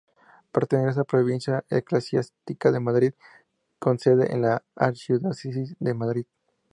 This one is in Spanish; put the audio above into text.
Pertenece a la provincia eclesiástica de Madrid, con sede en la archidiócesis de Madrid.